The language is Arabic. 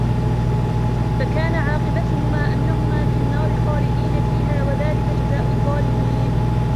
فكان عاقبتهما أنهما في النار خالدين فيها وذلك جزاء الظالمين